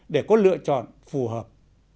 để có lựa chọn phù hợp